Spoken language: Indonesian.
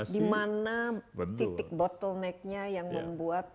dimana titik bottlenecknya yang membuat